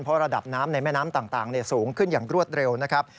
เพราะระดับน้ำในแม่น้ำต่างสูงขึ้นอย่างรวดเร็วนะครับ